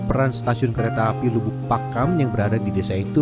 peran stasiun kereta api lubuk pakam yang berada di desa itu